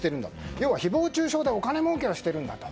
要は誹謗中傷でお金儲けをしているんだと。